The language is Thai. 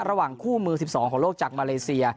ระหว่างคู่มือ๑๒ของโลกจากมาเลเซีย